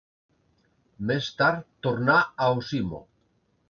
Més tard tornà a Osimo.